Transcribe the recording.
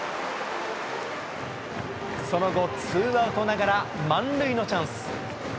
その後、ツーアウトながら満塁のチャンス。